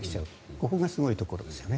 ここがすごいところですよね。